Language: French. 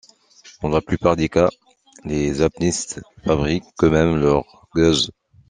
Dans la plupart des cas, les apnéistes fabriquent eux-mêmes leur gueuse.